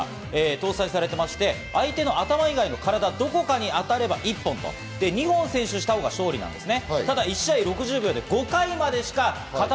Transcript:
刀にはセンサーが搭載されていまして、相手の頭以外の体どこかに当てれば一本と。二本先取したほうが勝利なんですね。